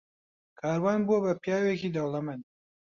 کاروان بووە بە پیاوێکی دەوڵەمەند.